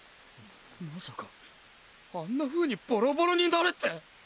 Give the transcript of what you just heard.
まさかあんな風にボロボロになれって？